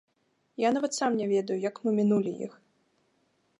Я нават сам не ведаю, як мы мінулі іх.